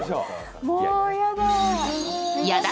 もう、やだ。